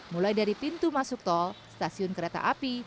mulai dari pintu masuk tol stasiun kereta api